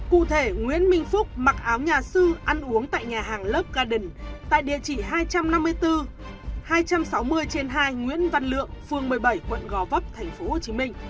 cụ thể nguyễn minh phúc mặc áo nhà sư ăn uống tại nhà hàng logarden tại địa chỉ hai trăm năm mươi bốn hai trăm sáu mươi trên hai nguyễn văn lượng phường một mươi bảy quận gò vấp tp hcm